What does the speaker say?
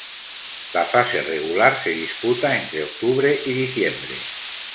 La fase regular se disputa entre octubre y diciembre.